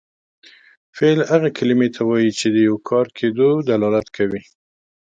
فعل هغې کلمې ته وایي چې د یو کار کیدو دلالت کوي.